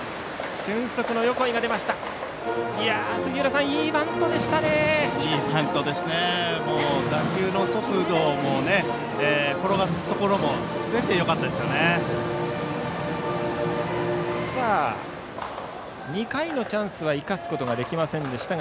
俊足の横井が出ました。